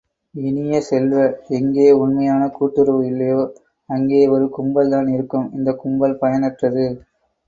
இனிய செல்வ, எங்கே உண்மையான கூட்டுறவு இல்லையோ, அங்கே ஒரு கும்பல்தான் இருக்கும், இந்தக் கும்பல் பயனற்றது!